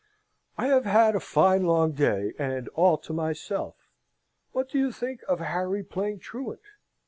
"'I have had a fine long day, and all to myself. What do you think of Harry playing truant?'"